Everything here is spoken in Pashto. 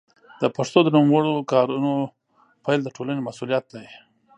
د پښتو د نوموړو کارونو پيل د ټولنې مسوولیت دی.